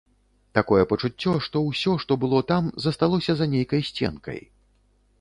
Такое пачуццё, што ўсё, што было там, засталося за нейкай сценкай.